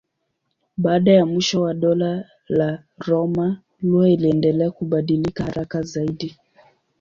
Baada ya mwisho wa Dola la Roma lugha iliendelea kubadilika haraka zaidi.